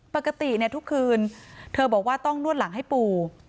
ปกติทุกคืนเธอบอกว่าต้องนวดหลังให้ปู